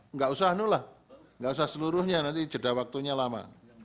enggak usah anulah enggak usah seluruhnya nanti jeda waktunya lama